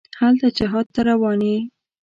هلته جهاد ته روان یې.